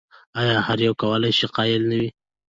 ایا هر یو کولای شي قایل نه وي؟